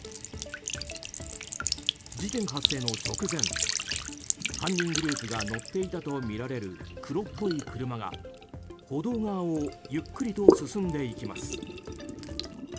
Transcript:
事件発生の直前、犯人グループが乗っていたとみられる黒っぽい車が、歩道側をゆっくりと進んでいきます。